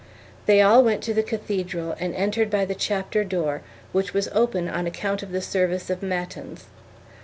They all went to the cathedral and entered by the chapter door, which was open on account of the service of matins.